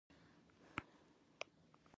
پابندی غرونه د افغان کورنیو د دودونو مهم عنصر دی.